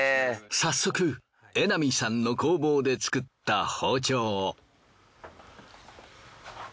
早速榎並さんの工房で作った包丁を。